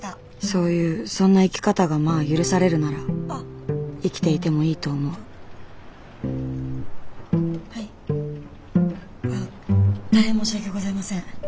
そういうそんな生き方がまあ許されるなら生きていてもいいと思うはいああ大変申し訳ございません。